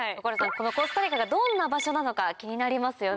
このコスタリカがどんな場所なのか気になりますよね？